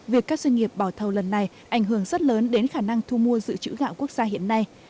việc các doanh nghiệp bỏ thầu lần này ảnh hưởng rất lớn đến khả năng thu mua dự trữ gạo quốc gia hiện nay